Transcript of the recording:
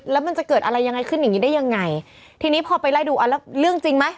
แล้วมันจะเกิดอะไรยังไงขึ้นอย่างงี้ได้ยังไงทีนี้พอไปไล่ดูเอาแล้วเรื่องจริงไหม